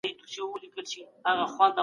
نوماندانو خپلي تګلاري خلګو ته وړاندي کولې.